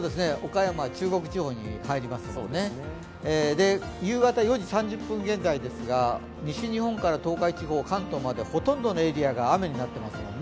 岡山、中国地方に入りますからね夕方４時３０分現在ですが、西日本から東海エリア、関東まで本当のエリアが雨になっています。